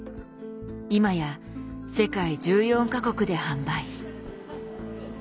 今や世界１４か国で販売。